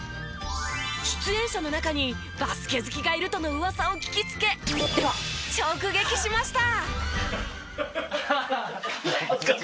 出演者の中にバスケ好きがいるとの噂を聞きつけ直撃しました！